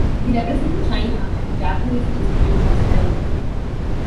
He represented China at the Japanese Instrument of Surrender.